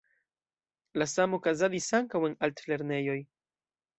La samo okazadis ankaŭ en altlernejoj.